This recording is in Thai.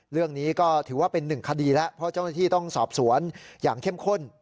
เรื่องนี้ก็ถือว่าเป็นหนึ่งคดีแล้วเพราะเจ้าหน้าที่ต้องสอบสวนอย่างเข้มข้น